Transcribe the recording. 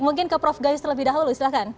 mungkin ke prof gayus terlebih dahulu silahkan